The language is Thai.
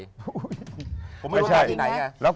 ผมไม่รู้ว่าจะอยู่ไหนไง